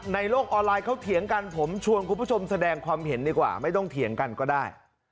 ในโลกออนไลน์เขาเถียงกันผมชวนคุณผู้ชมแสดงความเห็นดีกว่าไม่ต้องเถียงกันก็ได้